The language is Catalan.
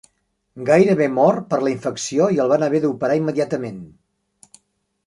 Gairebé mor per la infecció i el van haver d'operar immediatament.